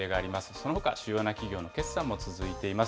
そのほか、主要な企業の決算も続いています。